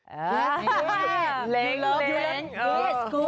แหลงรัก